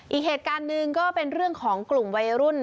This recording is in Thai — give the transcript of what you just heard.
อีกเหตุการณ์หนึ่งก็เป็นเรื่องของกลุ่มวัยรุ่น